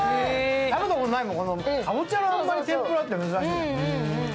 食べたことないもん、かぼちゃの天ぷらって珍しい。